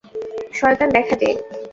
শয়তান দেখা দে!